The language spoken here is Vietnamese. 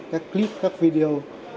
clip các video